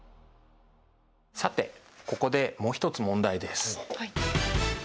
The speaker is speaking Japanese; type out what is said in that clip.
さてここでもう一つ問題です。